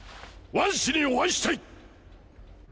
ワン氏にお会いしたい！